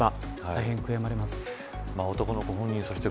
大変悔やまれます。